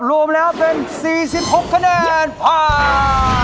รวมแล้วเป็น๔๖คะแนนผ่าน